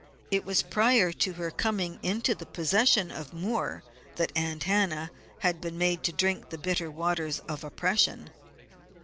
It was prior to her coming into the possession of Moore that Aunt Hannah had been made to drink the bitter waters of oppression.